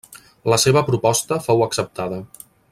La seva proposta fou acceptada.